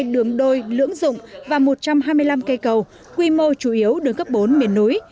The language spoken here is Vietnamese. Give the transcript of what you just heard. hai đường đôi lưỡng rụng và một trăm hai mươi năm cây cầu quy mô chủ yếu đường cấp bốn miền núi